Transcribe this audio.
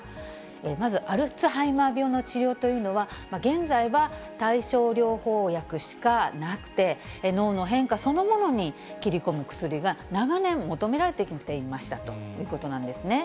まず、アルツハイマー病の治療というのは、現在は対症療法薬しかなくて、脳の変化そのものに切り込む薬が長年、求められてきていましたということなんですね。